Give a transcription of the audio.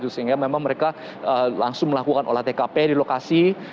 sehingga memang mereka langsung melakukan olah tkp di lokasi